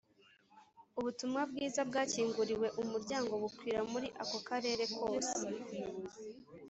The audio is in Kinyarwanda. ubutumwa bwiza bwakinguriwe umuryango bukwira muri ako karere kose